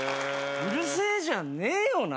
うるせえじゃねえよな。